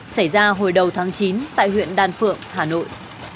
xảy ra hồi đầu tháng chín tại huyện đan phượng hà nội